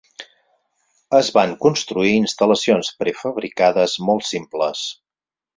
Es van construir instal·lacions prefabricades molt simples.